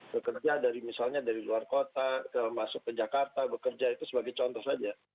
bekerja dari misalnya dari luar kota masuk ke jakarta bekerja itu sebagai contoh saja